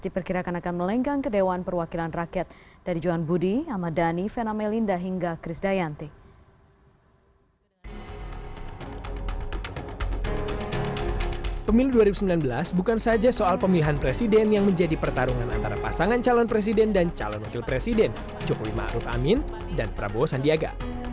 pemilu dua ribu sembilan belas bukan saja soal pemilihan presiden yang menjadi pertarungan antara pasangan calon presiden dan calon wakil presiden jokowi ma'ruf amin dan prabowo sandiaga